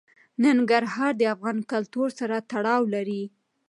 ننګرهار د افغان کلتور سره تړاو لري.